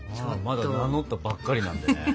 まだ名乗ったばっかりなんでね。